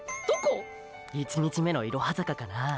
１日目のいろは坂かなー